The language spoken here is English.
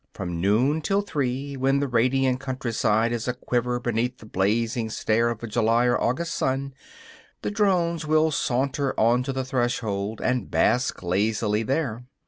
From noon till three, when the radiant countryside is a quiver beneath the blazing stare of a July or August sun, the drones will saunter on to the threshold, and bask lazily there.